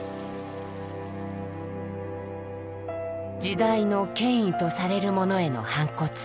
時代の権威とされるものへの反骨。